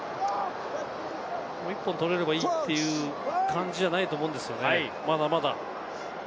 １本取れればいいという感じじゃないと思うんですよね、まだまだ。